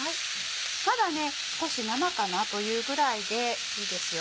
まだ少し生かなというぐらいでいいですよ。